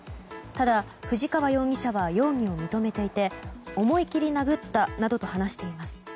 ただ、藤川容疑者は容疑を認めていて思い切り殴ったなどと話しています。